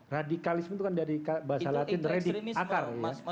radikalisme itu kan dari bahasa latin akar mas